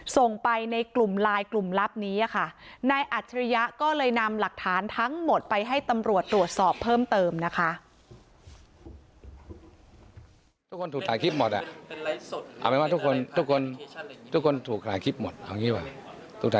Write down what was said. ส่งไปในกลุ่มไลน์กลุ่มลับนี้ค่ะนายอัจฉริยะก็เลยนำหลักฐานทั้งหมดไปให้ตำรวจตรวจสอบเพิ่มเติมนะคะ